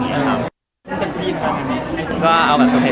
ความคลุกก็จะมีปัญหา